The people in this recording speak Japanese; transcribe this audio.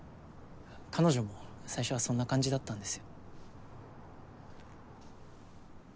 彼女も最初はそんな感じだったんです。